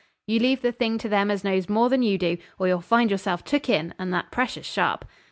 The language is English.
'You leave the thing to them as knows more than you do, or you'll find yourself took in, and that precious sharp.'